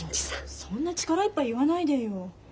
そんな力いっぱい言わないでよ。